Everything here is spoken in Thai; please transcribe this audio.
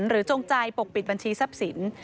จงใจปกปิดบัญชีทรัพย์สิน